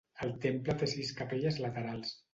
El temple té sis capelles laterals.